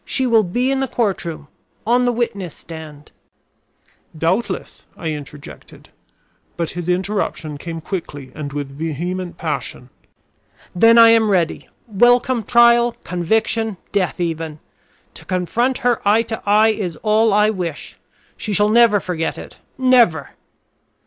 She will be in the court room, on the witness stand " "Doubtless," I interjected; but his interruption came quickly and with vehement passion. "Then I am ready. Welcome trial, conviction, death, even. To confront her eye to eye is all I wish. She shall never forget it, never!"